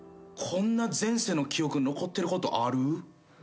こんな前世の記憶残ってることある？